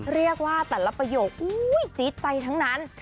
เรียกว่าแต่ละประโยคอจี๊ดใจทั้งนั้น